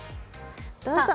どうぞ。